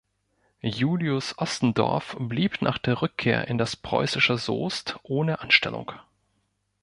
Julius Ostendorf blieb nach der Rückkehr in das preußische Soest ohne Anstellung.